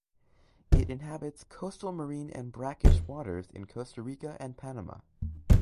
It inhabits coastal marine and brackish waters in Costa Rica and Panama.